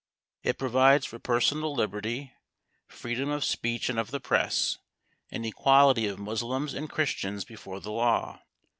It provides for personal liberty, freedom of speech and of the press, and equality of Moslems and Christians before the law.